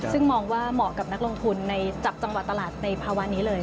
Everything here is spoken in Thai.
ซึ่งมองว่าเหมาะกับนักลงทุนในจับจังหวะตลาดในภาวะนี้เลย